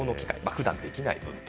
普段できない分と。